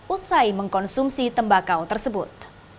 usai mengkonsumsi tembakau tersebut